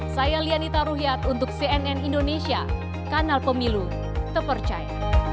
saya lianita ruhyat untuk cnn indonesia kanal pemilu terpercaya